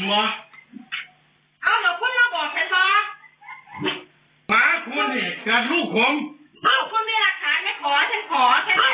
เอ้าเหรอพวกเราบอกแค่ทอหมาคุณแต่ลูกผมคุณไม่รักษาไม่ขอฉันขอแค่นี้